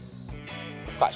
tidak ada yang bisa menangkapnya